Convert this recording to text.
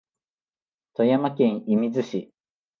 富山県射水市